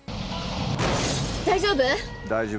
大丈夫？